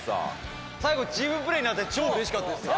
最後チームプレーになって超嬉しかったですよ。